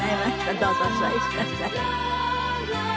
どうぞお座りください。